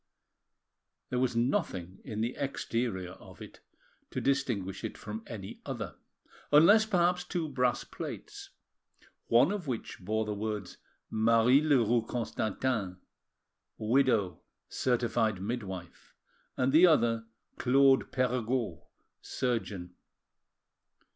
There was nothing in the exterior of it to distinguish it from any other, unless perhaps two brass plates, one of which bore the words MARIE LEROUX CONSTANTIN, WIDOW, CERTIFIED MIDWIFE, and the other CLAUDE PERREGAUD, SURGEON.